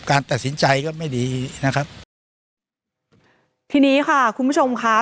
การตัดสินใจก็ไม่ดีนะครับทีนี้ค่ะคุณผู้ชมค่ะ